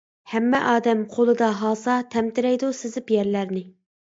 ھەممە ئادەم قۇلىدا ھاسا، تەمتىرەيدۇ سىزىپ يەرلەرنى.